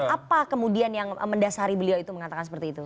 apa kemudian yang mendasari beliau itu mengatakan seperti itu